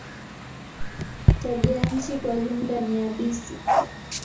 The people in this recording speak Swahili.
Tabianchi kwa jumla ni yabisi.